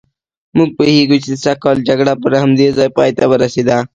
موږ پوهېدو چې د سږ کال جګړه پر همدې ځای پایته ورسېده.